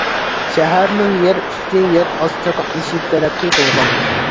شەھەرنىڭ يەر ئۈستى، يەر ئاستى قاتنىشى تەرەققىي قىلغان.